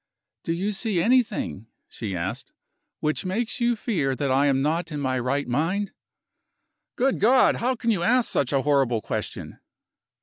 "Do you see anything," she asked, "which makes you fear that I am not in my right mind?" "Good God! how can you ask such a horrible question?"